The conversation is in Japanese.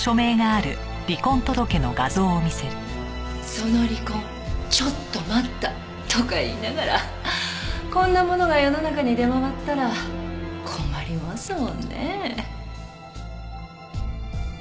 「その離婚ちょっと待った！」とか言いながらこんなものが世の中に出回ったら困りますもんね。